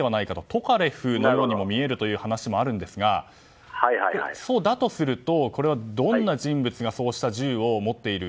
トカレフのようにも見えるという話もあるんですがそうだとするとこれはどんな人物がそうした銃を持っている。